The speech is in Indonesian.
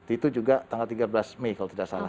itu juga tanggal tiga belas mei kalau tidak salah